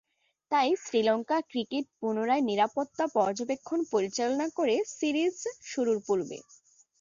তাই শ্রীলঙ্কা ক্রিকেট পুনরায় নিরাপত্তা পর্যবেক্ষণ পরিচালনা করে সিরিজ শুরুর পূর্বে।